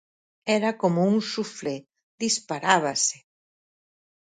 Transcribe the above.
Era como un suflé, disparábase.